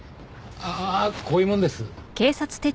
ああっこういうもんです。